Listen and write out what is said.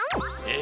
え？